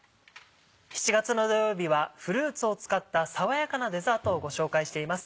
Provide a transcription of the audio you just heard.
７月の土曜日はフルーツを使った爽やかなデザートをご紹介しています。